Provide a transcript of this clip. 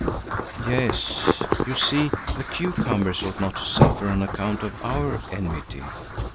"Yes; you see, the cucumbers ought not to suffer on account of our enmity.